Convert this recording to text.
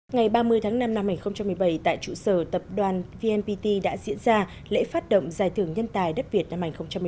ngày ba mươi tháng năm năm hai nghìn một mươi bảy tại trụ sở tập đoàn vnpt đã diễn ra lễ phát động giải thưởng nhân tài đất việt năm hai nghìn một mươi chín